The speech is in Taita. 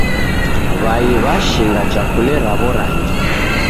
W'ai w'ashinga chakule raw'o rangi.